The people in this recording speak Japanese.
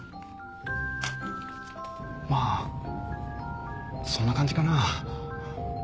まあそんな感じかなあ。